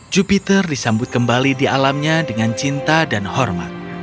jupiter disambut kembali di alamnya dengan cinta dan hormat